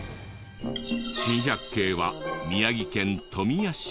珍百景は宮城県富谷市。